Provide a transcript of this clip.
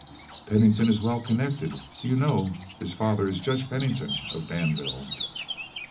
"Pennington is well connected; you know his father is Judge Pennington of Danville."